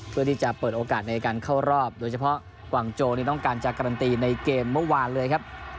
เพื่อที่จะเปิดโอกาสในการเข้ารอบโดยเฉพาะกวางโจนี่ต้องการจะการันตีในเกมเมื่อวานเลยครับ